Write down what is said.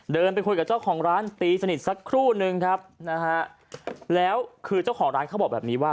เดินไปคุยกับเจ้าของร้านตีสนิทสักครู่นึงครับนะฮะแล้วคือเจ้าของร้านเขาบอกแบบนี้ว่า